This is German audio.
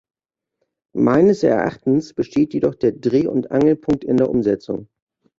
Meines Erachtens besteht jedoch der Dreh- und Angelpunkt in der Umsetzung.